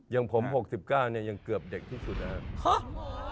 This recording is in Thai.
อย่างผม๖๙เนี่ยยังเกือบเด็กที่สุดนะครับ